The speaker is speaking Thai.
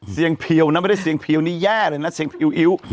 เสียงผิวนะไม่ได้เสียงผิวนี่แย่เลยนะเสียงผิวอิ้ว